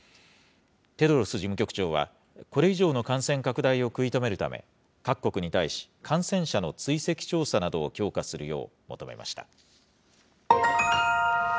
テドロス事務局長は、これ以上の感染拡大を食い止めるため、各国に対し、感染者の追跡調査などを強化するよう求めました。